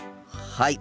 はい。